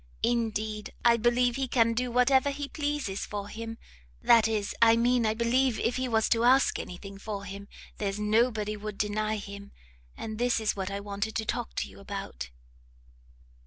indeed I believe he can do whatever he pleases for him, that is I mean I believe if he was to ask any thing for him, there's nobody would deny him. And this is what I wanted to talk to you about."